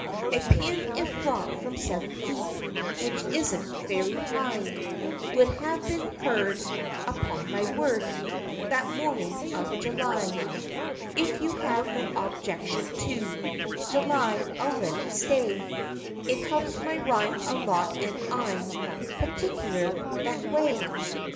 A pin if dropped from seven feet, Which is n't very high, Would have been heard (upon my word!) That morning in July. (If you have no objection to July I 'll let it stay. It helps my rhyme a lot and I 'm Particular that way.)